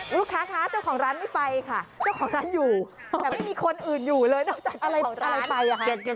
ลูกค้าคะเจ้าของร้านไม่ไปค่ะเจ้าของร้านอยู่แต่ไม่มีคนอื่นอยู่เลยนอกจากอะไรไปอ่ะค่ะ